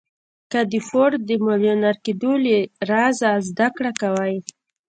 که د فورډ د ميليونر کېدو له رازه زده کړه کوئ.